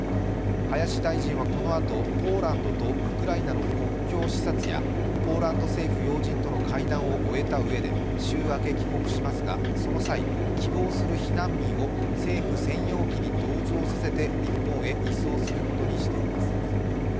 林大臣はこのあと、ポーランドとウクライナの国境視察やポーランド政府要人との会談を終えたうえで週明け帰国しますが、その際、希望する避難民を政府専用機に同乗させて日本へ移送することにしています。